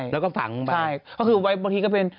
แล้วก็ฝังไปเพราะคือบางทีก็เป็น